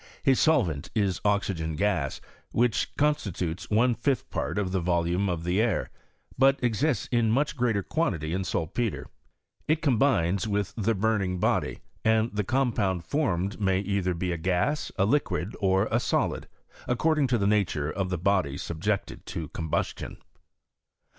His solvent is oxygen gas, which constitutes one fifth part of the volume of the air, but exists in much greater quantity in saltpetre. It combines with the burning body, and the com pound formed may either be a gas, a liquid, or a solid, according to the nature of the body sub jected to combustion.